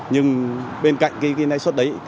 nhưng bên cạnh nãi xuất đấy